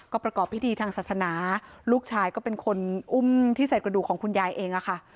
ประกอบพิธีทางศาสนาลูกชายก็เป็นคนอุ้มที่ใส่กระดูกของคุณยายเองอะค่ะ